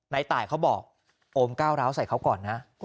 ตายเขาบอกโอมก้าวร้าวใส่เขาก่อนนะ